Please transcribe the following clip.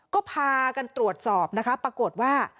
ก็พากันตรวจสอบนะคะปรากฏว่า